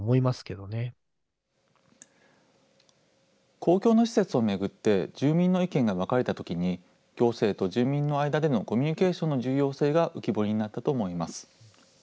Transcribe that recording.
公共の施設を巡って、住民の意見が分かれたときに、行政と住民の間でのコミュニケーションの重要性が浮き彫りになったと思います。